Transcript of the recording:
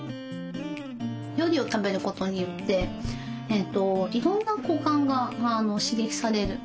料理を食べることによっていろんな五感が刺激される。